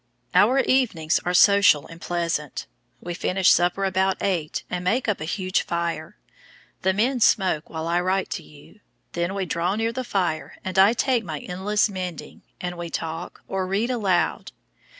Our evenings are social and pleasant. We finish supper about eight, and make up a huge fire. The men smoke while I write to you. Then we draw near the fire and I take my endless mending, and we talk or read aloud.